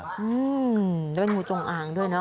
อืมได้มีงูจงอางด้วยเนอะ